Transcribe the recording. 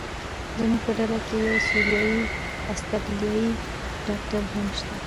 زموږ په ډله کې یو سوریایي استرالیایي ډاکټر هم شته.